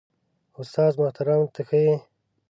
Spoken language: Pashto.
استاد محترم ته ښه يې؟